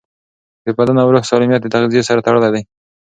د بدن او روح سالمیت د تغذیې سره تړلی دی.